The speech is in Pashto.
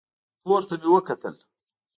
پورته مې وکتل.